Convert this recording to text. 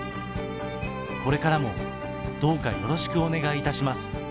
これからもどうかよろしくお願いいたします。